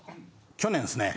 去年ですね